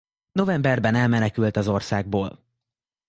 Novemberben elmenekült az országból.